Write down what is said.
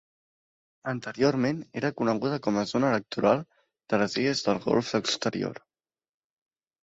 Anteriorment era coneguda com a Zona Electoral de les Illes del Golf Exterior.